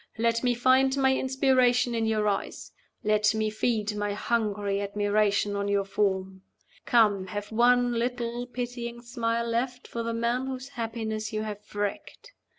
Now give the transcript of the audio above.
Let me find my inspiration in your eyes. Let me feed my hungry admiration on your form. Come, have one little pitying smile left for the man whose happiness you have wrecked.